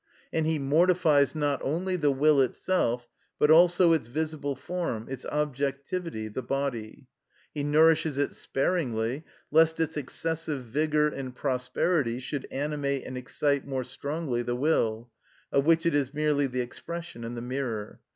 And he mortifies not only the will itself, but also its visible form, its objectivity, the body. He nourishes it sparingly, lest its excessive vigour and prosperity should animate and excite more strongly the will, of which it is merely the expression and the mirror.